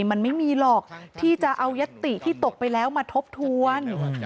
มันไม่มีหรอกที่จะเอายัตติที่ตกไปแล้วมาทบทวน